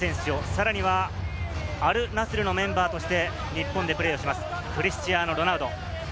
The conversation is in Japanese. さらにはアルナスルのメンバーとして日本でプレーします、クリスティアーノ・ロナウド。